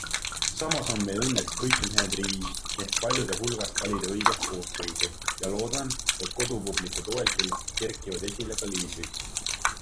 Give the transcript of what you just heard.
Samas on meil õnneks kõik mehed rivis ehk paljude hulgast valida õiget koosseisu ja loodan, et kodupubliku toel kerkivad esile ka liidrid.